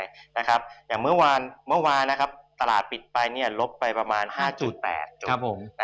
อย่างเมื่อวานตลาดปิดไปลบไปประมาณ๕๘จุด